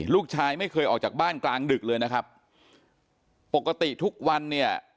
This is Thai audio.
ลูกชายไม่เคยออกจากบ้านกลางดึกเลยนะครับปกติทุกวันเนี่ย